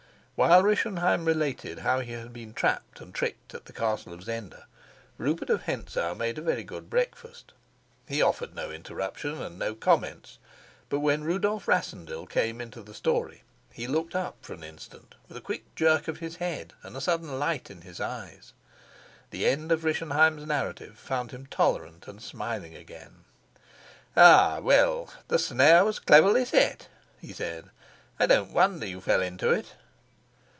While Rischenheim related how he had been trapped and tricked at the Castle of Zenda, Rupert of Hentzau made a very good breakfast. He offered no interruption and no comments, but when Rudolf Rassendyll came into the story he looked up for an instant with a quick jerk of his head and a sudden light in his eyes. The end of Rischenheim's narrative found him tolerant and smiling again. "Ah, well, the snare was cleverly set," he said. "I don't wonder you fell into it."